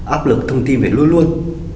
áp lực thông tin phải luôn luôn